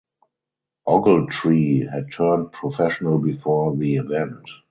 Ogletree had turned professional before the event.